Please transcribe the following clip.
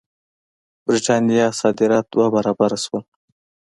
برېټانیا صادرات دوه برابره شول.